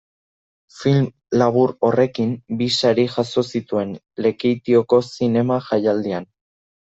Film labur horrekin, bi sari jaso zituen Lekeitioko zinema jaialdian.